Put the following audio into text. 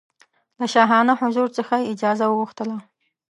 له شاهانه حضور څخه یې اجازه وغوښتله.